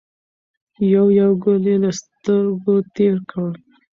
یو یو ګل یې له سترګو تېر کړ.